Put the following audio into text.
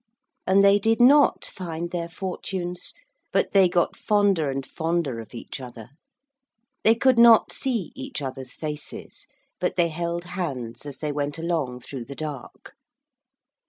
And they did not find their fortunes, but they got fonder and fonder of each other. They could not see each other's faces, but they held hands as they went along through the dark.